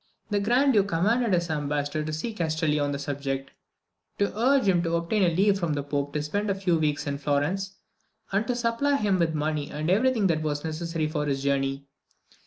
The Grand Duke commanded his ambassador to see Castelli on the subject to urge him to obtain leave from the Pope to spend a few months in Florence and to supply him with money and every thing that was necessary for his journey.